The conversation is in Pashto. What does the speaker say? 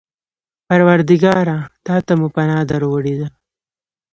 پروردګاره! تا ته مو پناه در وړې ده.